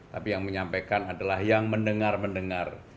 tapi yang menyampaikan adalah yang mendengar mendengar